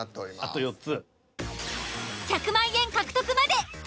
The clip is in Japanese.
あと４つ。